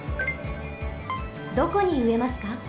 どこにうえますか？